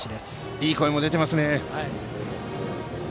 いい声も出ています。